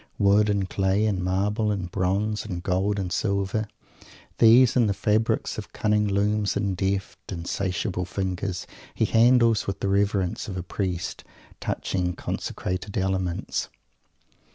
Wood and clay and marble and bronze and gold and silver; these and the fabrics of cunning looms and deft, insatiable fingers he handles with the reverence of a priest touching consecrated elements.